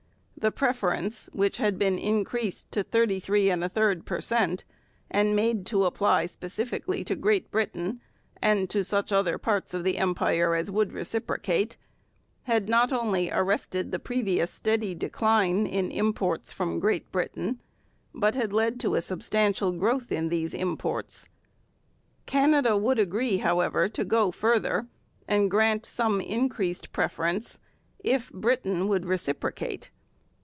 The preference, which had been increased to thirty three and a third per cent, and made to apply specifically to Great Britain and to such other parts of the Empire as would reciprocate, had not only arrested the previous steady decline in imports from Great Britain, but had led to a substantial growth in these imports. Canada would agree, however, to go further, and grant some increased preference if Britain would reciprocate.